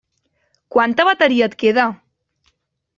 Quanta bateria et queda?